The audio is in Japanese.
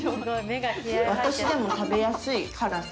私でも食べやすい辛さ。